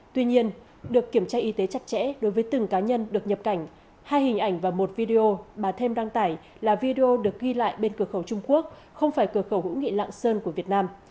tuy nhiên được kiểm tra y tế chặt chẽ đối với từng cá nhân được nhập cảnh hai hình ảnh và một video bà thêm đăng tải là video được ghi lại bên cửa khẩu trung quốc không phải cửa khẩu hữu nghị lạng sơn của việt nam